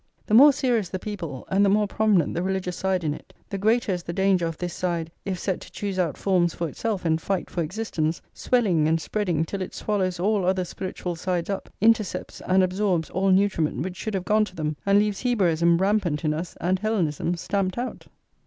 The more serious the people, and the more prominent the religious side in it, the greater is the danger of this side, if set to choose out forms for itself and fight for existence, swelling and spreading till it swallows all other spiritual sides up, intercepts and absorbs all nutriment which should have gone to them, and leaves Hebraism rampant in us and Hellenism stamped out.